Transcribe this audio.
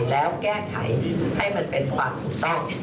แล้วแก้ไขให้มันเป็นความถูกต้อง